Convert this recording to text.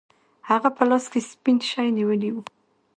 هغه په لاس کې سپین شی نیولی و.